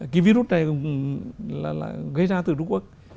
cái virus này gây ra từ trung quốc